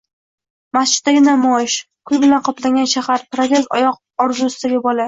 Masjiddagi namoyish, kul bilan qoplangan shahar, protez oyoq orzusidagi bola